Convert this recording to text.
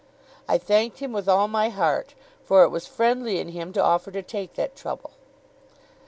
I thanked him with all my heart, for it was friendly in him to offer to take that trouble.